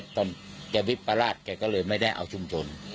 ตอนแกวิปราชแกก็เลยไม่ได้เอาชุมชน